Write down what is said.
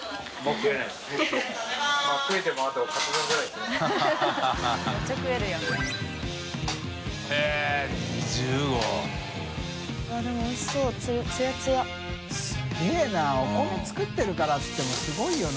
垢欧Гお米作ってるからっていってもすごいよな。